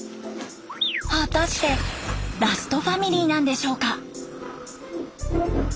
果たしてラストファミリーなんでしょうか？